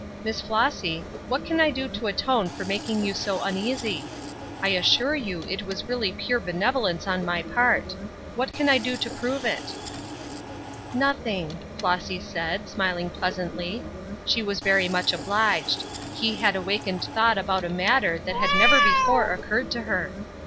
Miss Flossy, what can I do to atone for making you so uneasy? I assure you it was really pure benevolence on my part. What can I do to prove it?" "Nothing," Flossy said, smiling pleasantly. She was very much obliged. He had awakened thought about a matter that had never before occurred to her.